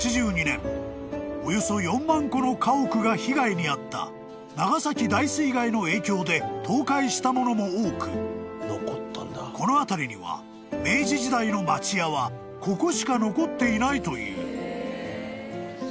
［およそ４万戸の家屋が被害に遭った長崎大水害の影響で倒壊したものも多くこの辺りには明治時代の町家はここしか残っていないという］